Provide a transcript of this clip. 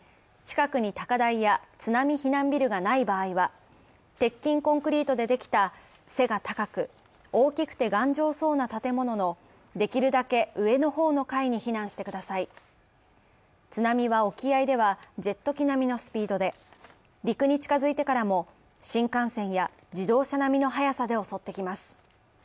近くに高台や津波避難ビルがない場合は、鉄筋コンクリートでできた背が高く大きくて頑丈そうな建物のできるだけ上の方の階に避難してください津波は沖合では、ジェット機並みのスピードで陸に近づいてからも、新幹線や自動車並みの速さで襲ってきます。